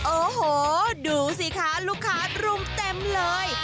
โอ้โหดูสิคะลูกค้ารุมเต็มเลย